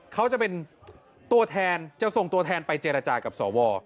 เขาจะเป็นตัวแทนจะส่งตัวแทนไปเจรจากับสว